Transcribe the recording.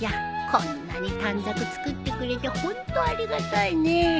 こんなに短冊作ってくれてホントありがたいね。